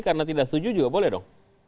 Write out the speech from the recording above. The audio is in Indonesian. karena tidak setuju juga boleh dong